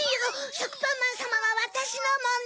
しょくぱんまんさまはわたしのもの！